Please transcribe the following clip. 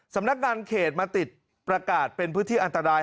สำนักงานเขตมาติดประกาศเป็นพื้นที่อันตราย